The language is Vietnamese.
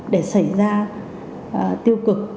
để xảy ra tiêu cực